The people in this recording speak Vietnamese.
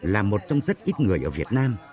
là một trong rất ít người ở việt nam